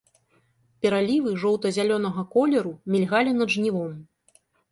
Пералівы жоўта-зялёнага колеру мільгалі над жнівом.